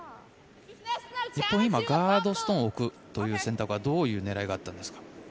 日本は今ガードストーンを置く選択というのはどういう狙いがあったんですか？